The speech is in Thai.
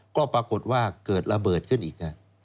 ก็ปรากฏว่าเกิดระเบิดขึ้นอีก